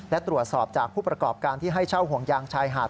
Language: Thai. และตรวจสอบจากผู้ประกอบการที่ให้เช่าห่วงยางชายหาด